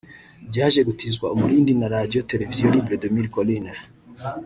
byaje gutizwa umurindi na Radio Télévision Libre des Mille Collines